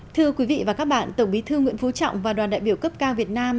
thưa quý vị và các bạn tổng bí thư nguyễn phú trọng và đoàn đại biểu cấp cao việt nam